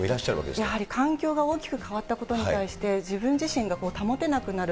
やはり環境が大きく変わったことに対して、自分自身が保てなくなる。